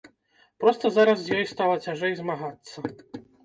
Проста зараз з ёй стала цяжэй змагацца.